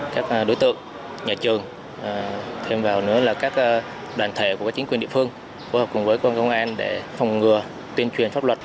các đối tượng nhà trường thêm vào nữa là các đoàn thể của các chính quyền địa phương phối hợp cùng với công an để phòng ngừa tuyên truyền pháp luật